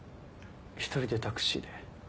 一人でタクシーで。